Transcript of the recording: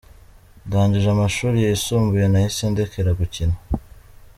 Ndagije amashuri yisumbuye nahise ndekera gukina”.